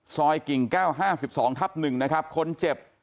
กิ่งแก้ว๕๒ทับ๑นะครับคนเจ็บ